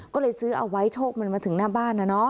ก็เลยซื้อเอาไว้โชคมันมาถึงหน้าบ้านนะเนาะ